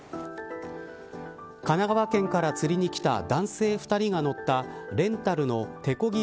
神奈川県から釣りに来た男性２人が乗ったレンタルの手こぎ